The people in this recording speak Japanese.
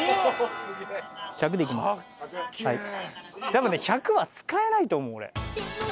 たぶんね１００は使えないと思う俺。